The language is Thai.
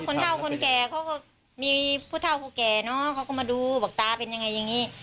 เท่าคนแก่เขาก็มีผู้เท่าผู้แก่เนอะเขาก็มาดูบอกตาเป็นยังไงอย่างนี้